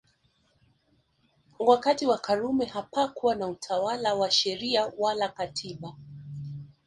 Wakati wa Karume hapakuwa na utawala wa Sheria wala Katiba